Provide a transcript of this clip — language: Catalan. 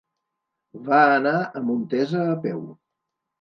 Va anar a Montesa a peu.